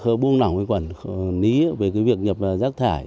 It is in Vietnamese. chúng ta bưu nẳng với quản lý về việc nhập rác thải